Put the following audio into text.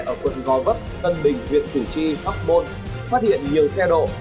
ở quận gò vấp tân bình huyện thủ chi hóc bôn phát hiện nhiều xe độ